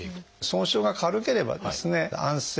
損傷が軽ければですね安静。